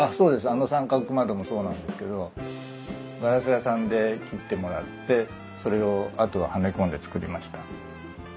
あの三角窓もそうなんですけどガラス屋さんで切ってもらってそれをあとははめ込んで作りました。